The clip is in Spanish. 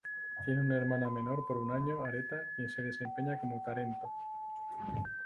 Tiene una hermana menor por un año, Aretha, quien se desempeña como "tarento".